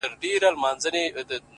د گندارا د شاپېريو د سُرخيو په باب”